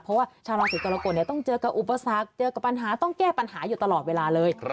เพราะว่าชาวราศีกรกฎต้องเจอกับอุปสรรคเจอกับปัญหาต้องแก้ปัญหาอยู่ตลอดเวลาเลย